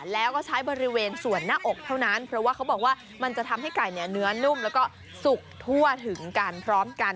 แล้วก็ใช้บริเวณส่วนหน้าอกเท่านั้นเพราะว่าเขาบอกว่ามันจะทำให้ไก่เนี่ยเนื้อนุ่มแล้วก็สุกทั่วถึงกันพร้อมกัน